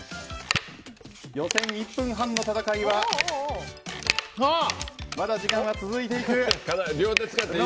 予選１分３０秒の戦いはまだ時間が続いている。